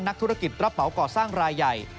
นักธุรกิจรับเหมาก่อสร้างรายใหญ่